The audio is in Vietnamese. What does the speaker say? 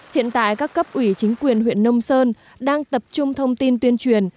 hiện tại các cấp ủy chính quyền huyện nông sơn đang tập trung thông tin tuyên truyền